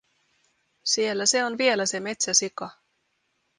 Siellä se on vielä, se metsäsika.